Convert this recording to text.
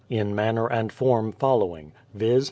in manner and form following: viz.